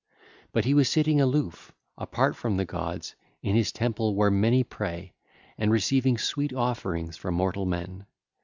But he was sitting aloof, apart from the gods, in his temple where many pray, and receiving sweet offerings from mortal men.